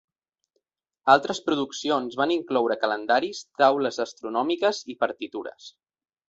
Altres produccions van incloure calendaris, taules astronòmiques i partitures.